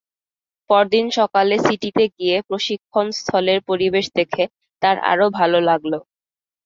পরদিন সকালে সিটিতে গিয়ে প্রশিক্ষণস্থলের পরিবেশ দেখে তার আরও ভালো লাগল।